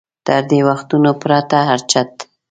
تر دې وختونو پرته هر چت.